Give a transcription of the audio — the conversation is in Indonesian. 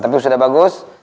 tapi sudah bagus